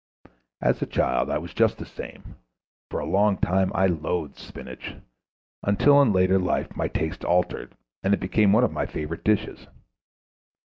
As a child I was just the same; for a long time I loathed spinach, until in later life my tastes altered, and it became one of my favorite dishes.